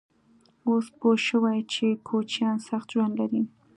_اوس پوه شوې چې کوچيان سخت ژوند لري؟